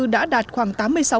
đã đạt khoảng tám mươi sáu